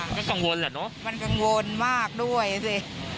ก็กังวลแหละเนอะมันกังวลมากด้วยสิ